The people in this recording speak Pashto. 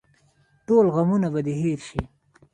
ټول غمونه به دې هېر شي.